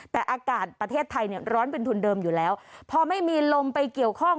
แต่อากาศประเทศไทยเนี่ยร้อนเป็นทุนเดิมอยู่แล้วพอไม่มีลมไปเกี่ยวข้อง